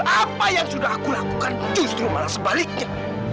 apa yang sudah aku lakukan justru malah sebaliknya